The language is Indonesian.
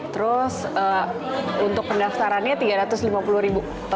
terus untuk pendaftarannya rp tiga ratus lima puluh